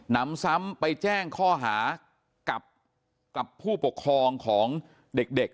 นำซ้ำไปแจ้งข้อหากับผู้ปกครองของเด็ก